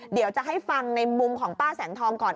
เดี๋ยวจะให้ฟังในมุมของป้าแสงทองก่อน